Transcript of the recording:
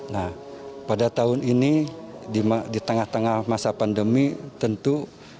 nah pada tahun ini di tengah tengah masa pandemi tentu